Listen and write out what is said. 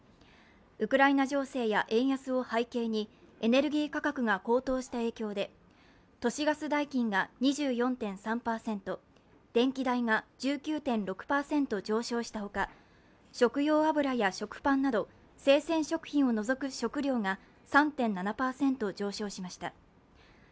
ウクライナ情勢や円安を背景にエネルギー価格が高騰した影響で都市ガス代金が２４．３％、電気代が１９．６％上昇したほか食用油や食パンなど生鮮食品を除く食料が３．７％上昇しました。